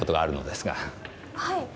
はい。